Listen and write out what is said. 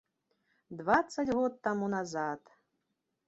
Дваццаць год таму назад!